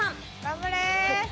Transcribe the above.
頑張れ！